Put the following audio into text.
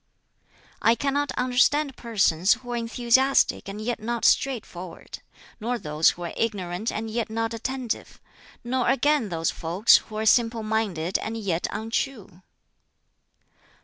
"I cannot understand persons who are enthusiastic and yet not straightforward; nor those who are ignorant and yet not attentive; nor again those folks who are simple minded and yet untrue.